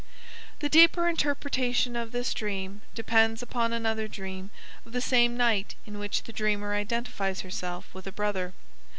The deeper interpretation of this dream depends upon another dream of the same night in which the dreamer identifies herself with her brother.